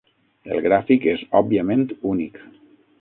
El gràfic és òbviament únic.